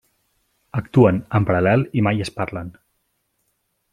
Actuen en paral·lel i mai es parlen.